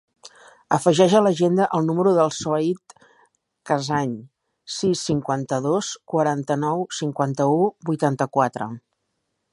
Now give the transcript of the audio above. Afegeix a l'agenda el número del Sohaib Casañ: sis, cinquanta-dos, quaranta-nou, cinquanta-u, vuitanta-quatre.